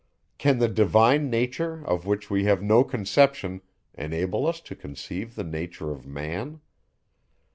Can the divine nature, of which we have no conception, enable us to conceive the nature of man?